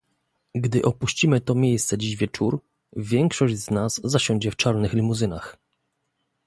Gdy opuścimy to miejsce dziś wieczór, większość z nas zasiądzie w czarnych limuzynach